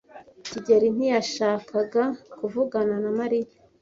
kigeli ntiyashakaga kuvugana na Mariya,